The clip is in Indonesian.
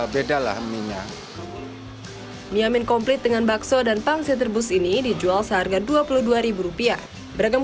bedalah minyak mie mien komplit dengan bakso dan pangsit rebus ini dijual seharga rp dua puluh dua beragam